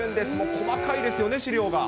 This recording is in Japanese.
細かいですよね、資料が。